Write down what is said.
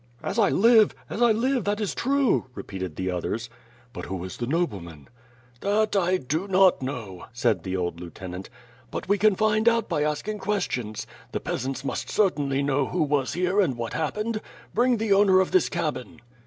"As I live! As I live, that is true!" repeated the others. "But who is the nobleman?" "That I do not know," said the old lieutenant. "But we can find out by asking questions. The peasants must cer tainly know who was here and what happened. Bring the owner of this cabin?"